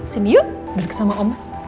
sini yuk duduk sama oma